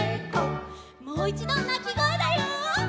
もう１どなきごえだよ。